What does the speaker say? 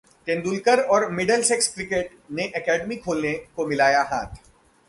तेंदुलकर और Middlesex cricket ने academy खोलने को मिलाया हाथ